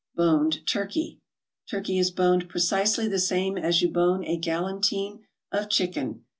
BONED TURKEY Turkey is boned precisely the same as you bone a "galantine" of chicken.